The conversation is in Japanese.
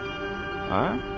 えっ？